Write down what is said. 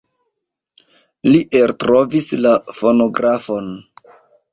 Li eltrovis la fonografon.